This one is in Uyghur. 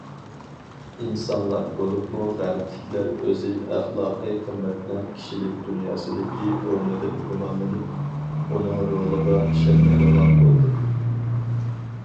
ئىنسانلار بولۇپمۇ غەربلىكلەر ئۆزى ئەخلاقىي قىممەتنىڭ كىشىلىك دۇنياسىدىكى ئورنىدىن گۇمانلىنىپ، ئۇنىڭ رولىغا ئىشەنمەيدىغان بولدى.